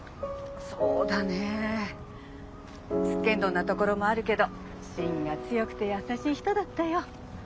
そうだねえつっけんどんなところもあるけど芯が強くて優しい人だったよ。